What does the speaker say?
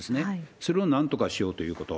それをなんとかしようということ。